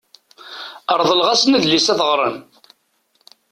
Reḍleɣ-asen adlis ad t-ɣren.